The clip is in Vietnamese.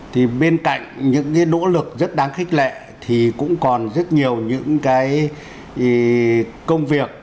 thì bên cạnh những cái nỗ lực rất đáng khích lệ thì cũng còn rất nhiều những cái công việc